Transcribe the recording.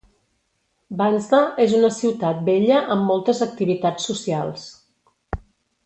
Vansda és una ciutat bella amb moltes activitats socials.